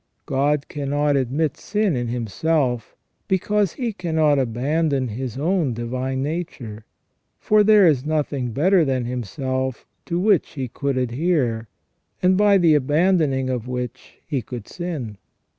" God cannot admit sin in Himself, because He cannot abandon His own divine nature ; for there is 266 WHY MAN WAS NOT CREATED PERFECT. nothing better than Himself to which He could adhere, and by the abandoning of which he could sin."